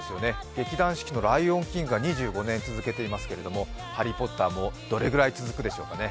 劇団四季の「ライオンキング」が２５年続いてますけど「ハリー・ポッター」もどれぐらい続くでしょうかね。